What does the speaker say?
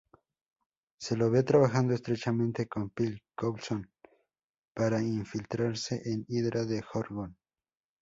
Se lo ve trabajando estrechamente con Phil Coulson para infiltrarse en Hydra de Gorgon.